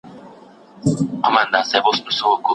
پېژندنه د املا هدف دی.